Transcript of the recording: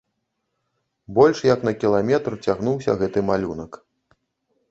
Больш як на кіламетр цягнуўся гэты малюнак.